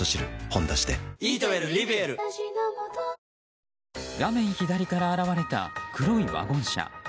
「ほんだし」で画面左から現れた黒いワゴン車。